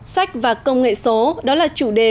sách và công nghệ số đó là chủ đề